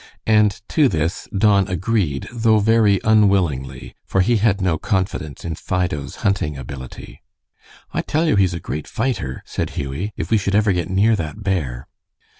And to this Don agreed, though very unwillingly, for he had no confidence in Fido's hunting ability. "I tell you he's a great fighter," said Hughie, "if we should ever get near that bear."